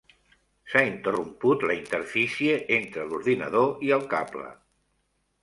S'ha interromput la interfície entre l'ordinador i el cable.